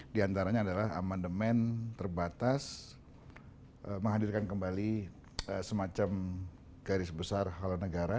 di antaranya adalah amendemen terbatas menghadirkan kembali semacam garis besar halonegara